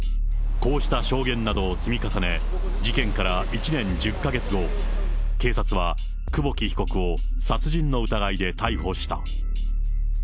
こうした証言などを積み重ね、事件から１年１０か月後、警察は久保木被告を殺人の疑いで逮捕した。